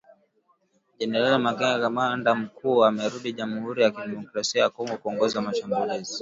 Generali Makenga, kamanda mkuu amerudi Jamhuri ya kidemokrasia ya Kongo kuongoza mashambulizi.